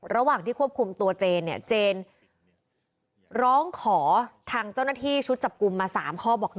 ระหว่างที่ควบคุมตัวเจนเนี่ยเจนร้องขอทางเจ้าหน้าที่ชุดจับกลุ่มมา๓ข้อบอก๑